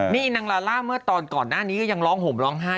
นี่นางลาล่าเมื่อตอนก่อนหน้านี้ก็ยังร้องห่มร้องไห้